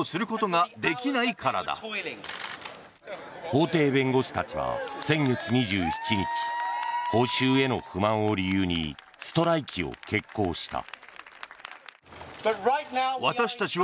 法廷弁護士たちは先月２７日報酬への不満を理由にストライキを決行した。